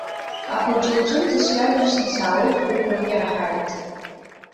Ахәыҷы лҿынӡа сҩабжьысны саауеит ҳәа иҳәогьы раҳаит.